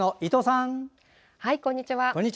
こんにちは。